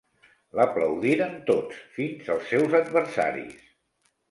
L'aplaudiren tots, fins els seus adversaris.